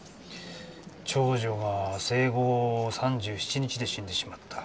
長女が生後３７日で死んでしまった。